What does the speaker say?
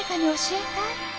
え？